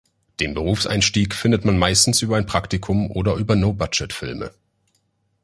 Den Berufseinstieg findet man meistens über ein Praktikum oder über no-budget-Filme.